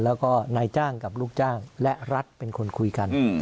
แล้วก็นายจ้างกับลูกจ้างและรัฐเป็นคนคุยกัน